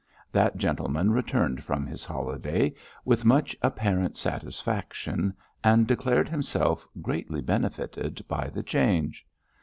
That gentleman returned from his holiday with much apparent satisfaction, and declared himself greatly benefited by the change.